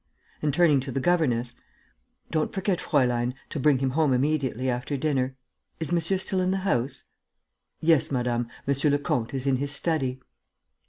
And, turning to the governess, "Don't forget, Fräulein, to bring him home immediately after dinner.... Is monsieur still in the house?" "Yes, madame, monsieur le comte is in his study."